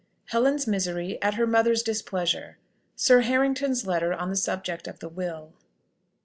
HELEN'S MISERY AT HER MOTHER'S DISPLEASURE. SIR G. HARRINGTON'S LETTER ON THE SUBJECT OF THE WILL.